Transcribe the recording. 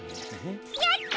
やった。